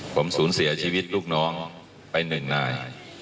ผมสูญเสียชีวิตลูกน้องไปหนึ่งนาย